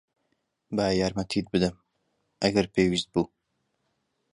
با یارمەتیت بدەم، ئەگەر پێویست بوو.